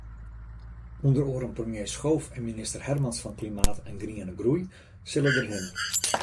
Under oaren premier Schoof en minister Hermans fan Klimaat en Griene Groei sille derhinne.